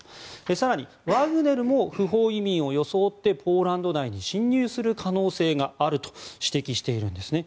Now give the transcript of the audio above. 更に、ワグネルも不法移民を装ってポーランド内に侵入する可能性があると指摘しているんですね。